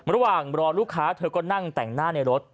ระหว่างรอลูกค้าเธอก็นั่งแต่งหน้าในรถ